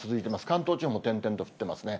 関東地方も点々と降ってますね。